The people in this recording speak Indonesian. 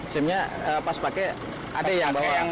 simnya pas pakai ada yang bawa